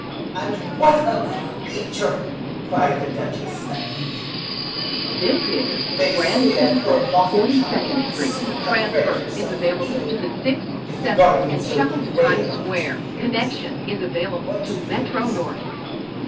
"And what a creature!" cried the Duchess, unheeding. "They say that poor Moffatt child will soon have fretted herself ill, if the guardians don't give way about the two years." "What two years?"